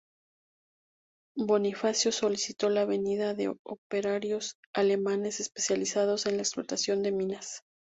Bonifácio solicitó la venida de operarios alemanes especializados en la explotación de minas.